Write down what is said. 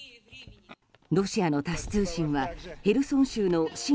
ロシアのタス通信はヘルソン州の親